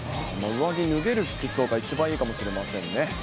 上着脱げる服装が一番いいかもしれませんね。